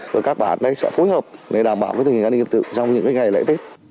và các bản đấy sẽ phối hợp để đảm bảo cái tình hình an ninh trật tự trong những cái ngày lễ tết